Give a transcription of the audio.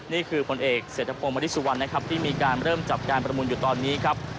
นี่คือผลเอกเศรษฐพงศ์มริสุวรรณนะครับที่มีการเริ่มจับการประมูลอยู่ตอนนี้ครับ